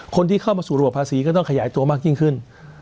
คนที่เข้ามาสู่ระบบภาษีก็ต้องขยายตัวมากยิ่งขึ้น